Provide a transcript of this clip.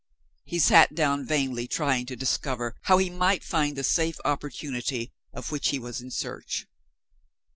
He sat down, vainly trying to discover how he might find the safe opportunity of which he was in search.